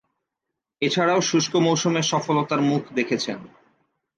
এছাড়াও শুষ্ক মৌসুমে সফলতার মুখ দেখেছেন।